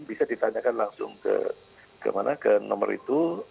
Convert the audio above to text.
bisa ditanyakan langsung ke kemana ke nomor itu